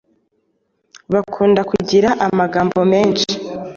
Bakunda Kugira amagambo menshi,